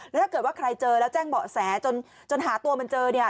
ถ้าเกิดว่าใครเจอแล้วแจ้งเบาะแสจนจนหาตัวมันเจอเนี่ย